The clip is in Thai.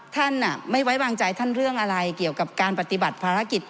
ท่านไม่ไว้วางใจท่านเรื่องอะไรเกี่ยวกับการปฏิบัติภารกิจ